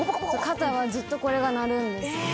肩はずっとこれが鳴るんです。